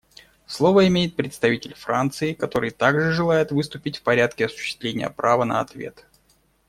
Слово имеет представитель Франции, который также желает выступить в порядке осуществления права на ответ.